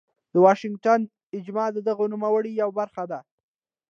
د واشنګټن اجماع د دغه نوملړ یوه برخه ده.